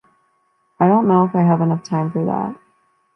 I don’t know if I have enough time for that.